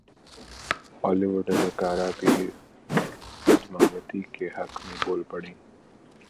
Holi would اداکارہ بھی پدماوتی کے حق میں بول پڑیں